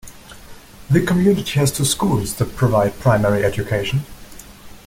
The community has two schools that provide primary education.